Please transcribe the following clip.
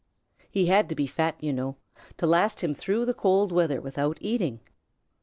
He had to be fat, you know, to last him through the cold weather without eating.